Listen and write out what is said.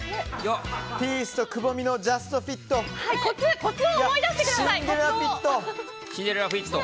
ピースとくぼみのジャストフィット。